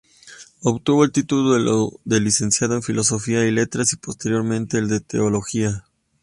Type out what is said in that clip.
Obtuvo el título de licenciado en Filosofía y Letras y posteriormente el de Teología.